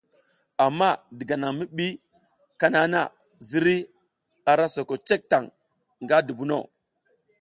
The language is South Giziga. Amma diga nan mi bi kana na, zirey ara soko cek taŋ nga dubuno.